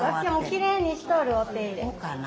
きれいにしとるお手入れ。